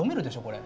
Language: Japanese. これ。